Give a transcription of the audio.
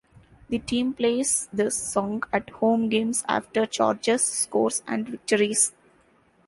The team plays this song at home games after Chargers scores and victories.